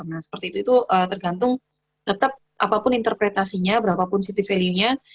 nah seperti itu itu tergantung tetap apapun interpretasinya berapapun city value nya